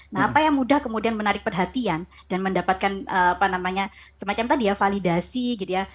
nah apa yang mudah kemudian menarik perhatian dan mendapatkan apa namanya semacam tadi ya validasi gitu ya